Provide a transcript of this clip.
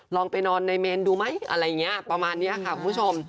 ลองไปนอนในเมนดูไหมอะไรอย่างนี้ประมาณนี้ค่ะคุณผู้ชม